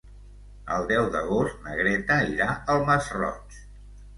El deu d'agost na Greta irà al Masroig.